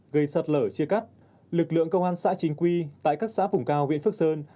gây sạt lở chia cắt lực lượng công an xã chính quy tại các xã vùng cao huyện phước sơn